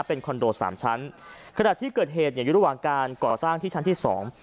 เป็นคอนโดสามชั้นขณะที่เกิดเหตุเนี่ยอยู่ระหว่างการก่อสร้างที่ชั้นที่สอง